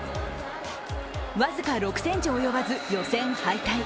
僅か６ｃｍ及ばず、予選敗退。